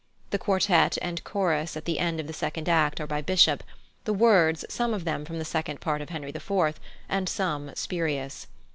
The quartet and chorus at the end of the second act are by Bishop; the words, some of them from the second part of Henry IV., and some spurious.